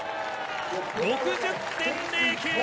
６０．０９。